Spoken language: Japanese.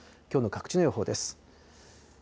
きょうの各地の予報です。